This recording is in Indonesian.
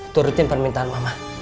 turutin permintaan mama